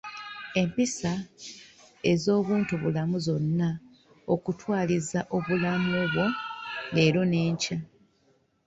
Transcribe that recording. Empisa ez'obuntubulamu zonna okutwaliza obulamu bwo leero n'enkya.